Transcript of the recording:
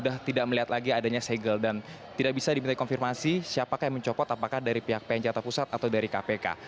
dan tidak bisa diminta konfirmasi siapakah yang mencopot apakah dari pihak pn jakarta pusat atau dari kpk